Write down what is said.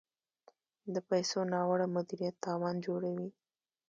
د پیسو ناوړه مدیریت تاوان جوړوي.